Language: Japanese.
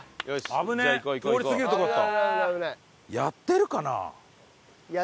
危ねえ通り過ぎるところだった。